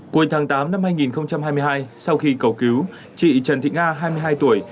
cuối tháng tám năm hai nghìn hai mươi hai sau khi cầu cứu chị trần thị nga hai mươi hai tuổi